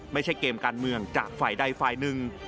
ไม่ใช่เกมการเมืองจากฝ่ายใดฝ่ายหนึ่ง